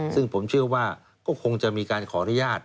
ซึ่งผมเชื่อว่าก็คงจะมีการขออนุญาต